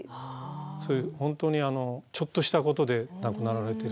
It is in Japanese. そういう本当にちょっとしたことで亡くなられているんですね。